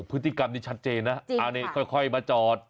พฤติกรรมนี้ชัดเจนนะจริงค่ะอันนี้ค่อยค่อยมาจอด